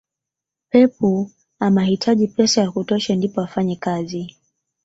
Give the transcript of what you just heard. pep amahitaji pesa ya kutosha ndipo afanye kazi